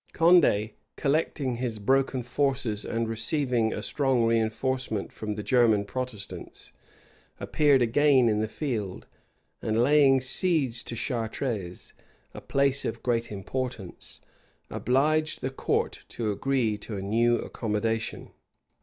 Condé, collecting his broken forces and receiving a strong reënforcement from the German Protestants, appeared again in the field; and laying siege to Chartres, a place of great importance, obliged the court to agree to a new accommodation.